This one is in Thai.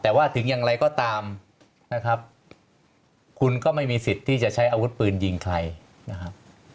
แต่ว่าถึงอย่างไรก็ตามนะครับคุณก็ไม่มีสิทธิ์ที่จะใช้อาวุธปืนยิงใครนะครับ